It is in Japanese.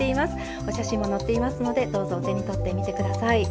お写真も載っていますのでどうぞお手に取って見て下さい。